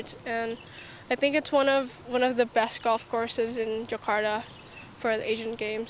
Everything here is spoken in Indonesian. dan saya pikir ini adalah salah satu golf course terbaik di jakarta untuk asian games